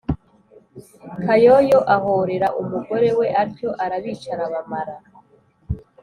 kayoyo ahorera umugore we atyo, arabica arabamara.